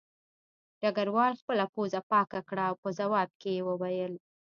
ډګروال خپله پوزه پاکه کړه او په ځواب کې یې وویل